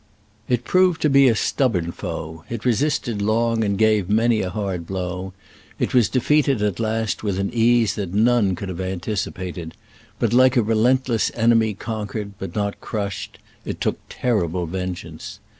It proved to be a stubborn foe ; it resisted long and gave many a hard blow ; it was defeated at last with an ease that none could have anticipated, but, hke a relentless enemy conquered but not crushed, it took terrible ven geance.